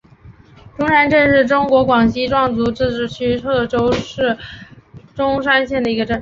钟山镇是中国广西壮族自治区贺州市钟山县的一个镇。